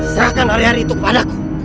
serahkan hari hari itu padaku